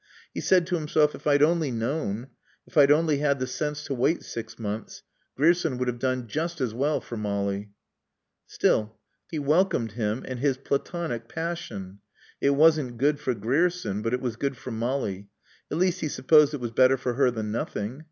He said to himself, "If I'd only known. If I'd only had the sense to wait six months. Grierson would have done just as well for Molly." Still, though Grierson had come too late, he welcomed him and his Platonic passion. It wasn't good for Grierson but it was good for Molly. At least, he supposed it was better for her than nothing.